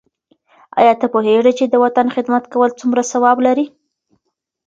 آیا ته پوهېږې چې د وطن خدمت کول څومره ثواب لري؟